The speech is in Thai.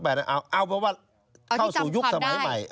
เอาเป็นว่าเข้าสู่ยุคสมัยใหม่